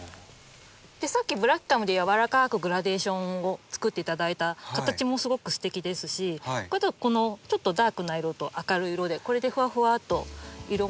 さっきブラキカムでやわらかくグラデーションを作って頂いた形もすごくすてきですしこのちょっとダークな色と明るい色でこれでふわふわっと色もつなぎつつってまたちょっと雰囲気が。